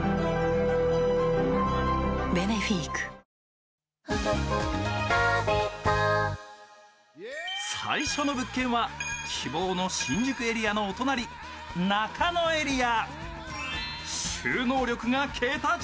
「ミノンアミノモイスト」最初の物件は希望の新宿エリアのお隣中野エリア。